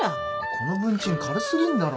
この文鎮軽すぎんだろ。